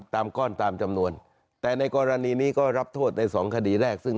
ก้อนตามจำนวนแต่ในกรณีนี้ก็รับโทษในสองคดีแรกซึ่ง